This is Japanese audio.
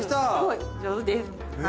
上手です。